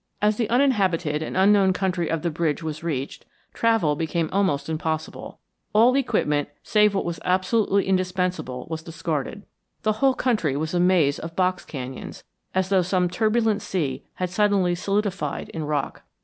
As the uninhabited and unknown country of the bridge was reached, travel became almost impossible. All equipment, save what was absolutely indispensable, was discarded. The whole country was a maze of box canyons, as though some turbulent sea had suddenly solidified in rock.